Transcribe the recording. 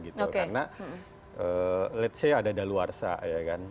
gitu karena let's say ada daluarsa ya kan